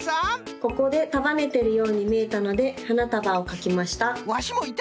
ここでたばねてるようにみえたのではなたばをかきました。